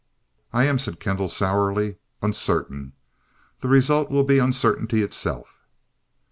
"I am," said Kendall sourly, "uncertain. The result will be uncertainty itself."